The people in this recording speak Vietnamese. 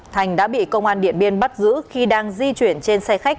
thành đã bị công an điện biên bắt giữ khi đang di chuyển trên xe khách